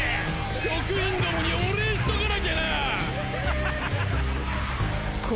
職員共にお礼しとかなきゃなァ！